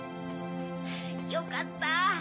よかった。